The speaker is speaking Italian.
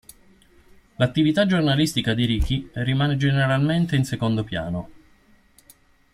L'attività giornalistica di Ricky rimane generalmente in secondo piano.